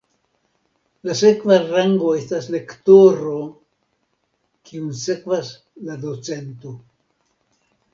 La sekva rango estas lektoro, kiun sekvas la docento.